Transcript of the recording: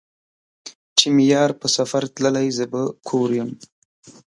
چې مې يار په سفر تللے زۀ به کور يم